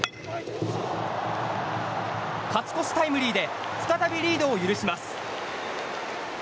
勝ち越しタイムリーで再びリードを許します。